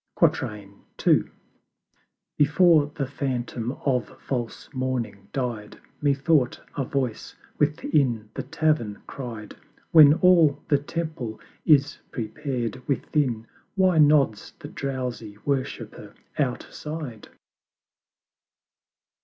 II. Before the phantom of False morning died, Methought a Voice within the Tavern cried, "When all the Temple is prepared within, "Why nods the drowsy Worshiper outside?"